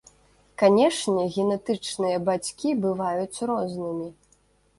Канешне, генетычныя бацькі бываюць рознымі.